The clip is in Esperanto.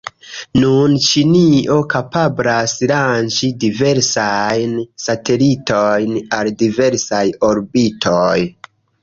Nun Ĉinio kapablas lanĉi diversajn satelitojn al diversaj orbitoj.